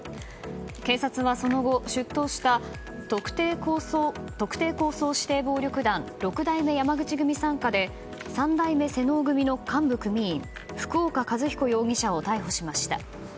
警察はその後出頭した特定抗争指定暴力団六代目山口組傘下で三代目妹尾組の幹部組員福岡一彦容疑者を逮捕しました。